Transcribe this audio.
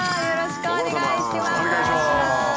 よろしくお願いします。